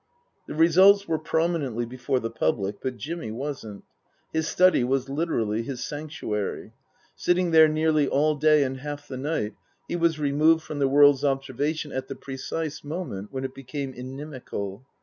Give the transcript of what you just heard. The results were prominently before the public, but Jimmy wasn't. His study was literally his sanctuary. Sitting there nearly all day and half the night, he was removed from the world's observation at the precise moment when it became inimical.